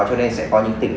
cho nên sẽ có những tỉnh